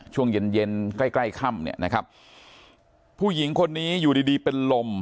ช่วงเย็นใกล้ค่ำนะครับผู้หญิงคนนี้อยู่ดีเป็นลม